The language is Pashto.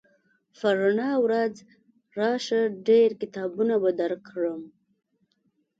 په رڼا ورځ راشه ډېر کتابونه به درکړم